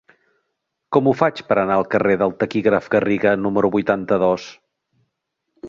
Com ho faig per anar al carrer del Taquígraf Garriga número vuitanta-dos?